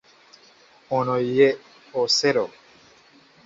Ono ye Osero.